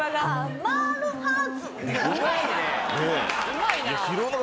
うまいね！